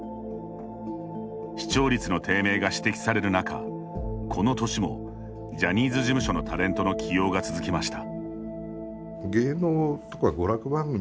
視聴率の低迷が指摘される中この年も、ジャニーズ事務所のタレントの起用が続きました。